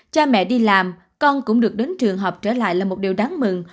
cha mẹ đi làm con cũng được đến trường học trở lại là một điều đáng mừng